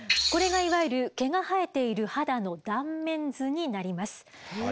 これがいわゆる毛が生えている肌の断面図になります。